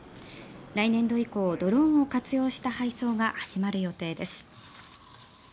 来年度以降、ドローンを活用した配送が始まる予定です。